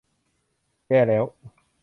แย่แล้ว !